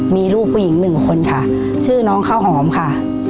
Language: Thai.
มีลูกผู้หญิงหนึ่งคนค่ะชื่อน้องข้าวหอมค่ะ